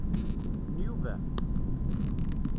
N Yuba?